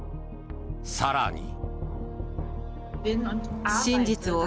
更に。